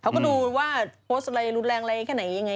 เขาก็ดูว่าโพสต์อะไรรุนแรงอะไรแค่ไหนยังไง